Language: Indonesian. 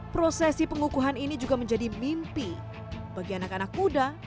prosesi pengukuhan ini juga menjadi mimpi bagi anak anak muda